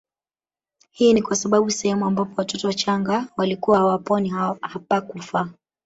Hii ni kwa sababu sehemu ambapo watoto wachanga walikuwa hawaponi hapakufaa